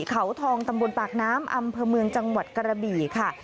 เขาทองตำบลปากน้ำอำเภอเมืองจังหวัดกระบี่ค่ะ